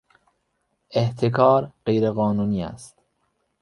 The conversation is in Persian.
احتکار غیرقانونی است.